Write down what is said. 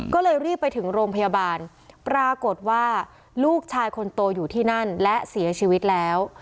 ก็เลยรีบไปถึงโรงพยาบาลปรากฏว่าลูกชายคนโตอยู่ที่นั่นและเสียชีวิตแล้ว